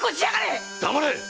黙れ！